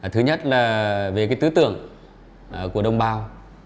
thứ nhất là về tư tưởng của đồng bào